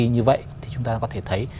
như vậy thì chúng ta có thể thấy